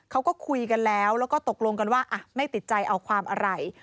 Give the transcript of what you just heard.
เขาก็คุยกันแล้วแล้วก็ตกลงกันว่าไม่ติดใจเอาความอะไร